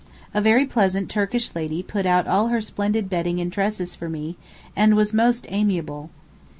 A very pleasant Turkish lady put out all her splendid bedding and dresses for me, and was most amiable.